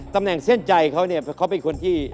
ตำแหน่งเส้นใจเขาเนี่ยเขาเป็นคนที่